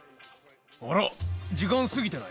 あら、時間過ぎてない？